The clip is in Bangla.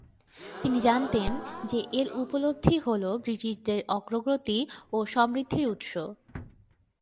তিনি জানতেন যে এর উপলব্ধি হল ব্রিটিশদের অগ্রগতি ও সমৃদ্ধির উৎস।